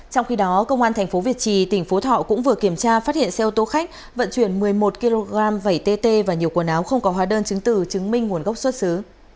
trong khi đó công an thành phố việt trì tỉnh phú thọ cũng vừa kiểm tra phát hiện xe ô tô khách vận chuyển một mươi một kg vẩy tt và nhiều quần áo không có hóa đơn chứng từ chứng minh nguồn gốc xuất xứ